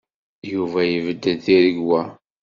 Yuba ibeddel tiregwa.